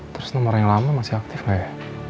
terus nomor yang lama masih aktif lah ya